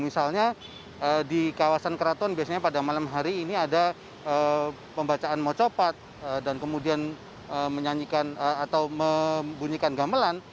misalnya di kawasan keraton biasanya pada malam hari ini ada pembacaan mocopat dan kemudian menyanyikan atau membunyikan gamelan